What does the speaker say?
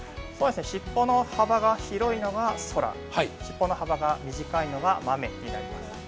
尻尾の幅が広いのがソラ、尻尾の幅が短いのがマメです。